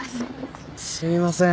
すいません